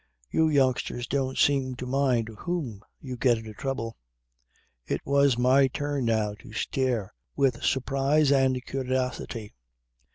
You youngsters don't seem to mind whom you get into trouble." "It was my turn now to stare with surprise and curiosity.